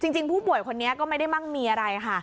จริงผู้ป่วยคนนี้ก็ไม่ได้มั่งมีอะไรค่ะ